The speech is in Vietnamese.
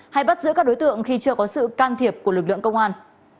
hay bắt giữ các đối tượng khi chưa có sự can thiệp của lực lượng công an